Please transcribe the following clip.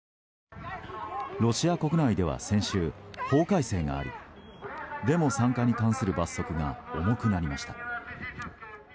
ロシア国内では先週法改正がありデモ参加に関する罰則が重くなりました。